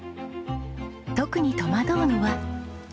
特に戸惑うのは。